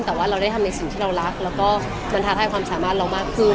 แต่ว่าเราได้ทำในสิ่งที่เรารักแล้วก็มันท้าทายความสามารถเรามากขึ้น